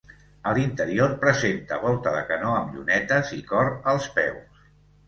A l'interior presenta volta de canó amb llunetes i cor als peus.